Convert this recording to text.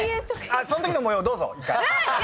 そのときの模様をどうぞ。